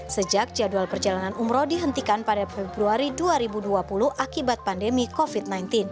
sejak jadwal perjalanan umroh dihentikan pada februari dua ribu dua puluh akibat pandemi covid sembilan belas